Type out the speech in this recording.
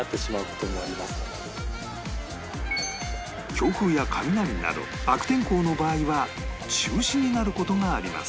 強風や雷など悪天候の場合は中止になる事があります